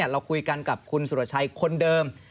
เราคุยกันกับคุณสุรชัยคนเดิม